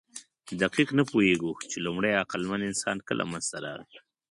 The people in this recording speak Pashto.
دقیق نه پوهېږو، چې لومړی عقلمن انسان کله منځ ته راغی.